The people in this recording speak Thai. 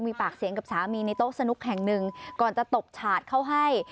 มีปากเสียงกับสามีในโต๊ะสนุกแห่งหนึ่งก่อนจะตบฉาดเข้าให้